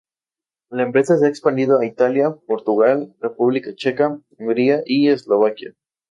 La empresa se ha expandido a Italia, Portugal, República Checa, Hungría y Eslovaquia.